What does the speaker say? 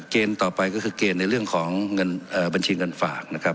ต่อไปก็คือเกณฑ์ในเรื่องของเงินบัญชีเงินฝากนะครับ